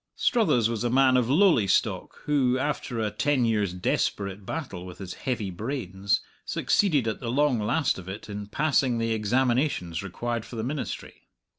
Struthers was a man of lowly stock who, after a ten years' desperate battle with his heavy brains, succeeded at the long last of it in passing the examinations required for the ministry.